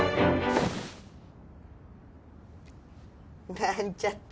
なんちゃって。